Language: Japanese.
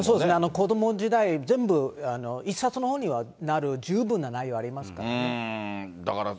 子ども時代、全部、一冊の本にはなる十分な内容ありますからね。